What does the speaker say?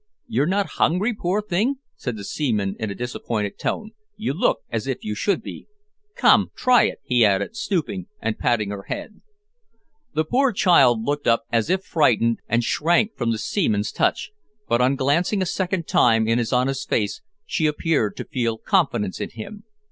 "You're not hungry, poor thing," said the seaman, in a disappointed tone; "you look as if you should be. Come, try it," he added, stooping, and patting her head. The poor child looked up as if frightened, and shrank from the seaman's touch, but on glancing a second time in his honest face, she appeared to feel confidence in him.